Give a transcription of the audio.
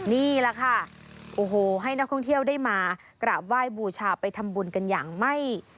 นี่แหละค่ะโอ้โหให้นักท่องเที่ยวได้มากราบไหว้บูชาไปทำบุญกันอย่างไม่